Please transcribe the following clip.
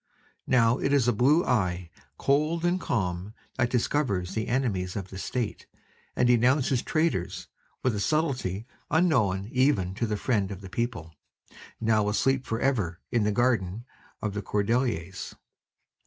Now it is a blue eye, cold and calm, that discovers the enemies of the State and denounces traitors with a subtlety unknown even to the Friend of the People, now asleep for ever in the garden of the Cordeliers.